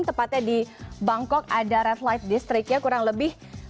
tepatnya di bangkok ada red flight district ya kurang lebih